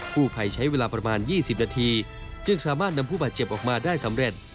ผู้ภัยใช้เวลาประมาณ๒๐นาทีจึงสามารถนำผู้บาดเจ็บออกมาได้สำเร็จ